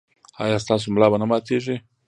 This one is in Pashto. ایا ستاسو ملا به نه ماتیږي؟